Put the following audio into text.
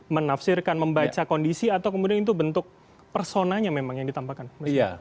menafsirkan membaca kondisi atau kemudian itu bentuk personanya memang yang ditampakkan